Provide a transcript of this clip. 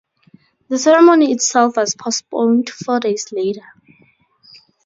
The ceremony itself was postponed four days later.